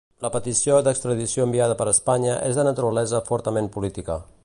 La petició d’extradició enviada per Espanya és de naturalesa fortament política.